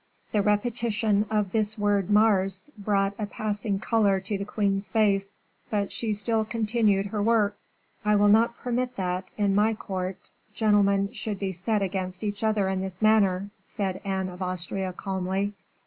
The repetition of this word Mars brought a passing color to the queen's face; but she still continued her work. "I will not permit that, in my court, gentlemen should be set against each other in this manner," said Anne of Austria, calmly.